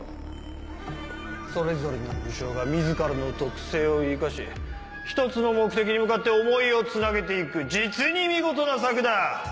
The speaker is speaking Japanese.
それぞれの武将が自らの特性を生かし一つの目的に向かって思いを繋げて行く実に見事な策だ！